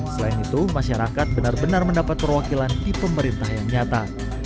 selain itu masyarakat benar benar mendapat perwakilan di pemerintah yang nyata